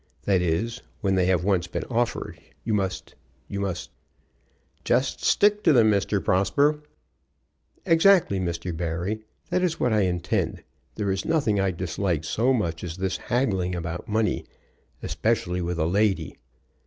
That is, when they have once been offered, you must must " "Just stick to them, Mr. Prosper." "Exactly, Mr. Barry. That is what I intend. There is nothing I dislike so much as this haggling about money, especially with a lady.